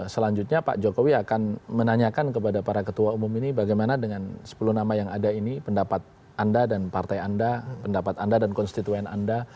selanjutnya pak jokowi akan menanyakan kepada para ketua umum ini bagaimana dengan sepuluh nama yang ada ini pendapat anda dan partai anda pendapat anda dan konstituen anda